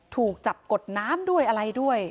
ถูกจับกดน้ำด้วยอะไรด้วย